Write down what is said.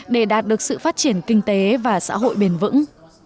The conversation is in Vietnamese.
để đạt được sự phát triển kinh tế và xã hội bền vững